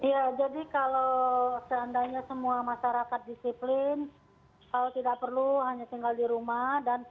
ya jadi kalau seandainya semua masyarakat disiplin kalau tidak perlu hanya tinggal di rumah